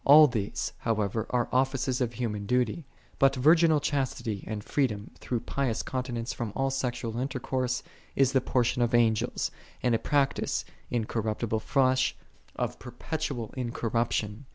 All these, however, are offices of human duty: but virginal chastity and freedom through pious continence from all sexual intercourse is the portion of Angels, and a practice,6 in corruptible flesh, of perpetual incorruption.